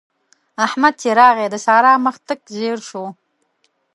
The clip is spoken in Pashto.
احمد چې راغی؛ د سارا مخ تک ژړ شو.